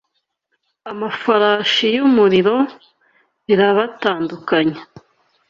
amafarashi y’umuriro birabatandukanya.